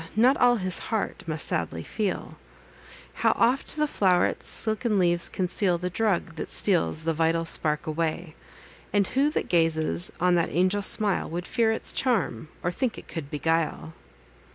not all his heart must sadly feel! How oft the flow'ret's silken leaves conceal The drug that steals the vital spark away! And who that gazes on that angel smile, Would fear its charm, or think it could beguile!